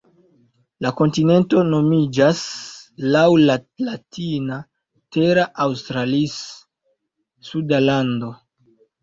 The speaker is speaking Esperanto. La kontinento nomiĝas laŭ la latina "terra australis", suda lando.